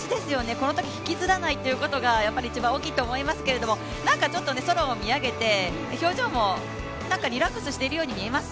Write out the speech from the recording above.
このとき引きずらないということが一番大きいと思いますけどなんかちょっと空を見上げて、表情もリラックスしてるように見えます。